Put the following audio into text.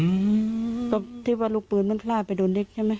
อืมก็ที่ว่าลูกปืนมันพลาดไปโดนเด็กใช่ไหม